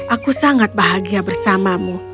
aku sangat bahagia bersamamu